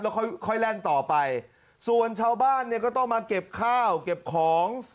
ค่อยค่อยแล่นต่อไปส่วนชาวบ้านเนี่ยก็ต้องมาเก็บข้าวเก็บของ